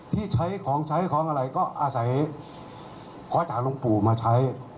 ที่ใช้ของใช้ของอะไรก็อาศัยขอจากลงปู่มาใช้